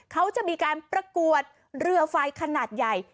เขาจะมีการประกวดเรือไฟขนาดใหญ่